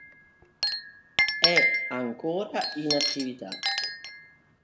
È ancora in attività.